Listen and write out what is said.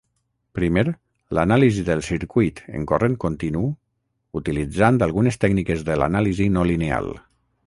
Primer, l'anàlisi del circuit en corrent continu, utilitzant algunes tècniques de l'anàlisi no lineal.